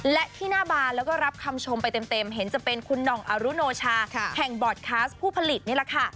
และที่หน้าบานแล้วก็รับคำชมไปเต็มเห็นจะเป็นคุณหน่องอรุโนชาแห่งบอร์ดคลาสผู้ผลิตนี่แหละค่ะ